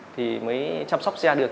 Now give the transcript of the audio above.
thì mới chăm sóc xe được